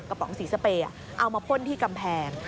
ป๋องสีสเปย์เอามาพ่นที่กำแพง